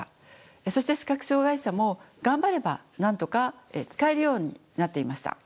そして視覚障害者も頑張ればなんとか使えるようになっていました。